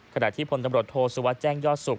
ขณะที่พลตำรวจโทษสุวัสดิแจ้งยอดสุข